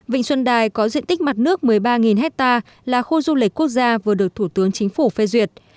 vịnh xuân đài có diện tích mặt nước một mươi ba hectare là khu du lịch quốc gia vừa được thủ tướng chính phủ phê duyệt